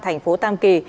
thành phố tam kỳ